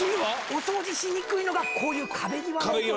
お掃除しにくいのがこういう壁際の。